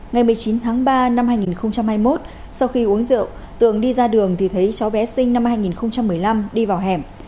ngày một mươi chín tháng ba năm hai nghìn hai mươi một sau khi uống rượu tường đi ra đường thì thấy cháu bé sinh năm hai nghìn một mươi năm đi vào hẻm